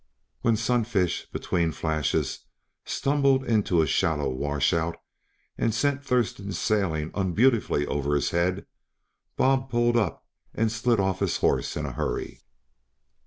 When Sunfish, between flashes, stumbled into a shallow washout, and sent Thurston sailing unbeautifully over his head, Bob pulled up and slid off his horse in a hurry.